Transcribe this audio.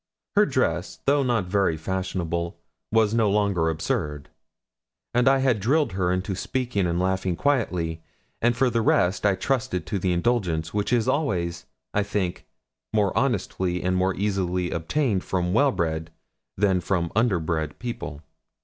Her dress, though not very fashionable, was no longer absurd. And I had drilled her into speaking and laughing quietly; and for the rest I trusted to the indulgence which is always, I think, more honestly and easily obtained from well bred than from under bred people.